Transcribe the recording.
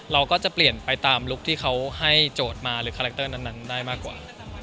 เราก็จะเปลี่ยนไปตามลุคที่เขาให้โจทย์มาหรือคาแรคเตอร์นั้นได้มากกว่า